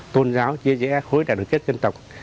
tôn giáo chia rẽ khối đại đoàn kết dân tộc